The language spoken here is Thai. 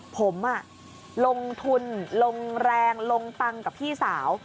ผมลงทุนลงแรงลงตังค์กับพี่สาว